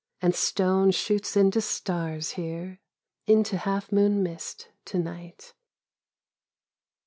. and stone shoots into stars here ... into half moon mist to night.